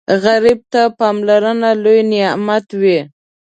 غریب ته پاملرنه لوی نعمت وي